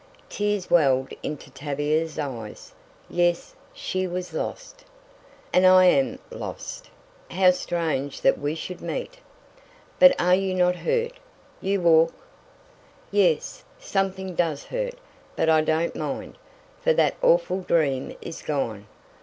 Tears welled into Tavia's eyes. Yes, she was lost! "And I am lost! How strange that we should meet." "But are you not hurt? You walk " "Yes, something does hurt, but I don't mind, for that awful dream is gone.